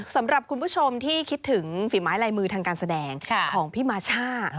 สำหรับคุณผู้ชมที่คิดถึงฝีไม้ลายมือทางการแสดงของพี่มาช่า